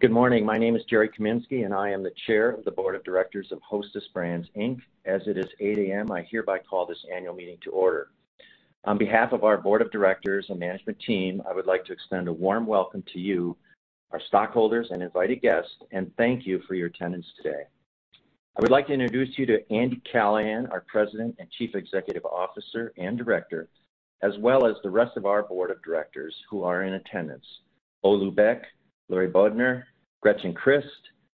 Good morning. My name is Jerry D. Kaminski, and I am the chair of the board of directors of Hostess Brands, Inc. As it is 8:00 A.M., I hereby call this annual meeting to order. On behalf of our board of directors and management team, I would like to extend a warm welcome to you, our stockholders and invited guests, and thank you for your attendance today. I would like to introduce you to Andy Callahan, our President and Chief Executive Officer and Director, as well as the rest of our board of directors who are in attendance: Olu Beck, Laurie Bodner, Gretchen Crist,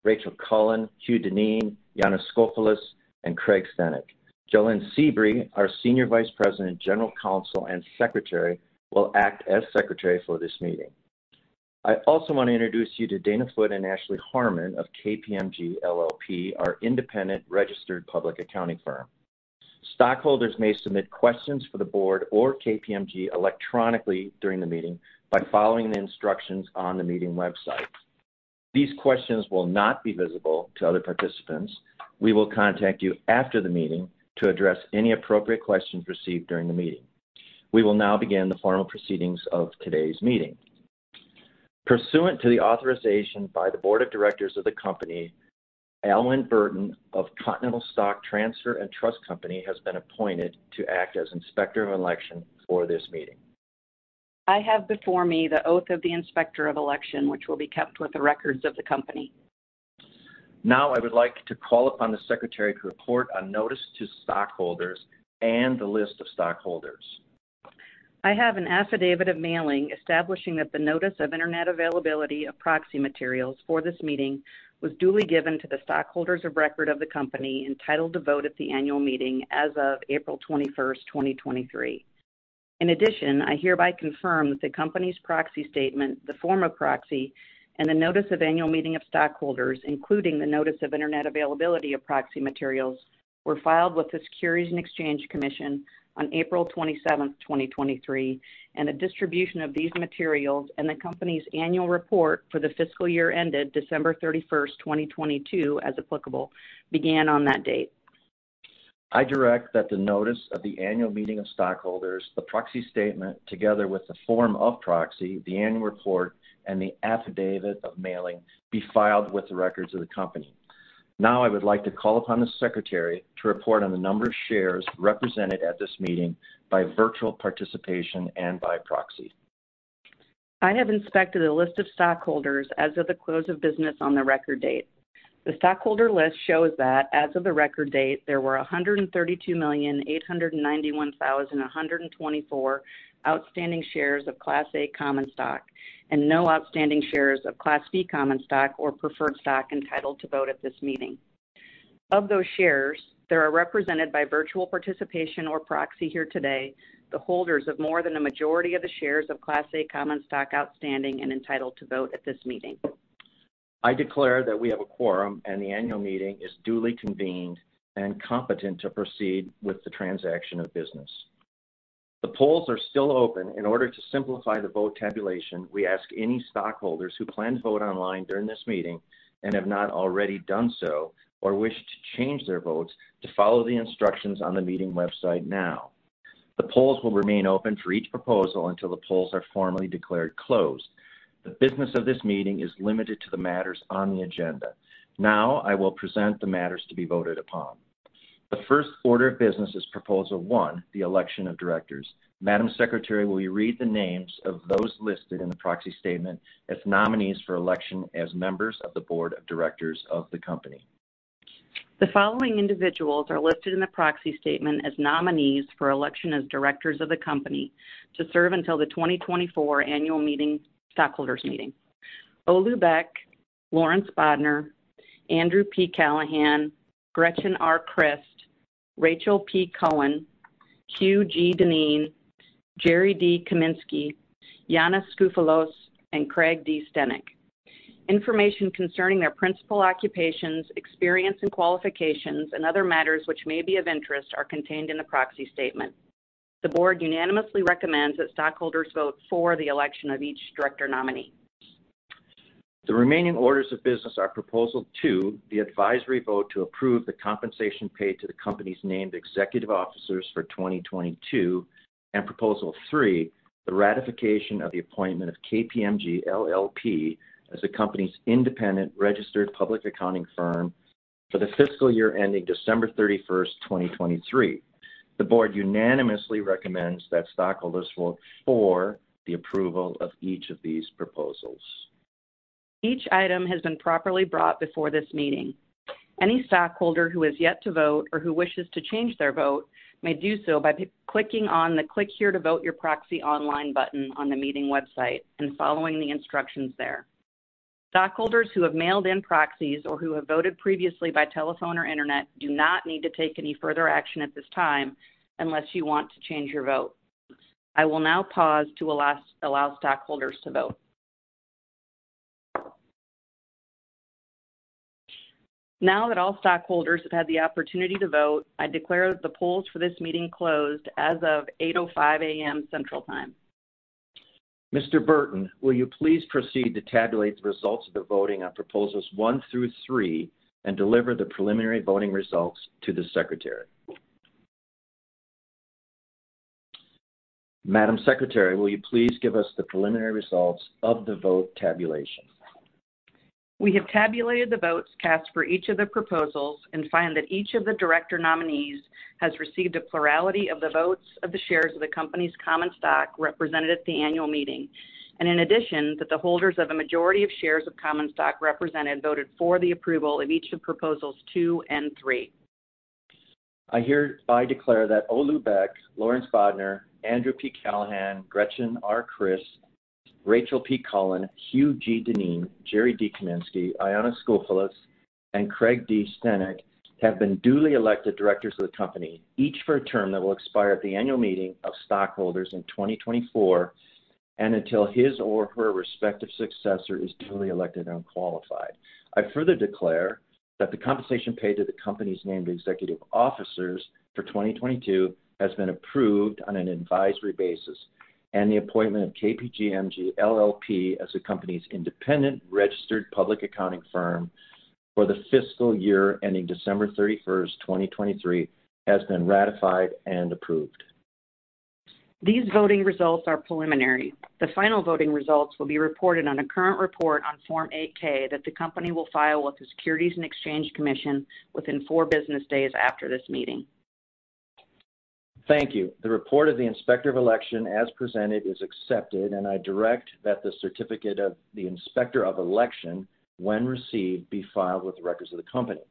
Rachel Cullen, Hugh Dineen, Ioannis Skoufalos, and Craig D. Steeneck. Jolyn Sebree, our Senior Vice President, General Counsel, and Secretary, will act as secretary for this meeting. I also want to introduce you to Dana Foote and Ashlee Harmon of KPMG LLP, our independent registered public accounting firm. Stockholders may submit questions for the board or KPMG electronically during the meeting by following the instructions on the meeting website. These questions will not be visible to other participants. We will contact you after the meeting to address any appropriate questions received during the meeting. We will now begin the formal proceedings of today's meeting. Pursuant to the authorization by the board of directors of the company, Alwyn Burton of Continental Stock Transfer and Trust Company has been appointed to act as Inspector of Election for this meeting. I have before me the oath of the Inspector of Election, which will be kept with the records of the company. Now, I would like to call upon the secretary to report on notice to stockholders and the list of stockholders. I have an affidavit of mailing, establishing that the notice of internet availability of proxy materials for this meeting was duly given to the stockholders of record of the company, entitled to vote at the annual meeting as of April 21, 2023. In addition, I hereby confirm that the company's proxy statement, the form of proxy, and the notice of annual meeting of stockholders, including the notice of internet availability of proxy materials, were filed with the Securities and Exchange Commission on April 27, 2023, and the distribution of these materials and the company's annual report for the fiscal year ended December 31, 2022, as applicable, began on that date. I direct that the notice of the annual meeting of stockholders, the proxy statement, together with the form of proxy, the annual report, and the affidavit of mailing, be filed with the records of the company. I would like to call upon the secretary to report on the number of shares represented at this meeting by virtual participation and by proxy. I have inspected a list of stockholders as of the close of business on the record date. The stockholder list shows that as of the record date, there were 132,891,124 outstanding shares of Class A common stock and no outstanding shares of Class B common stock or preferred stock entitled to vote at this meeting. Of those shares, there are represented by virtual participation or proxy here today, the holders of more than a majority of the shares of Class A common stock outstanding and entitled to vote at this meeting. I declare that we have a quorum, and the annual meeting is duly convened and competent to proceed with the transaction of business. The polls are still open. In order to simplify the vote tabulation, we ask any stockholders who plan to vote online during this meeting, and have not already done so, or wish to change their votes, to follow the instructions on the meeting website now. The polls will remain open for each proposal until the polls are formally declared closed. The business of this meeting is limited to the matters on the agenda. Now I will present the matters to be voted upon. The first order of business is Proposal 1: the election of directors. Madam Secretary, will you read the names of those listed in the proxy statement as nominees for election as members of the board of directors of the company? The following individuals are listed in the proxy statement as nominees for election as directors of the company to serve until the 2024 annual meeting, stockholders meeting: Olu Beck, Laurence Bodner, Andrew P. Callahan, Gretchen R. Crist, Rachel P. Cullen, Hugh G. Dineen, Jerry D. Kaminski, Ioannis Skoufalos, and Craig D. Steeneck. Information concerning their principal occupations, experience and qualifications, and other matters which may be of interest, are contained in the proxy statement. The board unanimously recommends that stockholders vote for the election of each director nominee. The remaining orders of business are Proposal 2: the advisory vote to approve the compensation paid to the company's named executive officers for 2022, and Proposal 3: the ratification of the appointment of KPMG LLP as the company's independent registered public accounting firm for the fiscal year ending December thirty-first, 2023. The board unanimously recommends that stockholders vote for the approval of each of these proposals. Each item has been properly brought before this meeting. Any stockholder who has yet to vote or who wishes to change their vote may do so by clicking on the Click Here to Vote Your Proxy Online button on the meeting website and following the instructions there. Stockholders who have mailed in proxies or who have voted previously by telephone or internet do not need to take any further action at this time unless you want to change your vote. I will now pause to allow stockholders to vote. Now that all stockholders have had the opportunity to vote, I declare the polls for this meeting closed as of 8:05 A.M. Central Time. Mr. Burton, will you please proceed to tabulate the results of the voting on Proposals 1 through 3 and deliver the preliminary voting results to the Secretary? Madam Secretary, will you please give us the preliminary results of the vote tabulation? We have tabulated the votes cast for each of the proposals and find that each of the director nominees has received a plurality of the votes of the shares of the company's common stock represented at the annual meeting, and in addition, that the holders of a majority of shares of common stock represented voted for the approval of each of proposals 2 and 3. I hereby declare that Olu Beck, Laurence Bodner, Andrew P. Callahan, Gretchen R. Crist, Rachel P. Cullen, Hugh G. Dineen, Jerry D. Kaminski, Ioannis Skoufalos, and Craig D. Steeneck have been duly elected directors of the company, each for a term that will expire at the annual meeting of stockholders in 2024 and until his or her respective successor is duly elected and qualified. I further declare that the compensation paid to the company's named executive officers for 2022 has been approved on an advisory basis, and the appointment of KPMG LLP as the company's independent registered public accounting firm for the fiscal year ending December 31st, 2023, has been ratified and approved. These voting results are preliminary. The final voting results will be reported on a current report on Form 8-K that the company will file with the Securities and Exchange Commission within four business days after this meeting. Thank you. The report of the Inspector of Election as presented is accepted, and I direct that the certificate of the Inspector of Election, when received, be filed with the records of the company.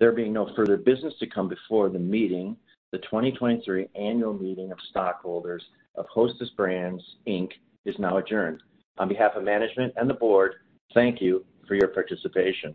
There being no further business to come before the meeting, the 2023 annual meeting of stockholders of Hostess Brands, Inc., is now adjourned. On behalf of management and the board, thank you for your participation.